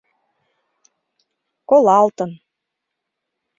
Колалтын...